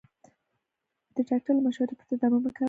د ډاکټر له مشورې پرته درمل مه کاروئ.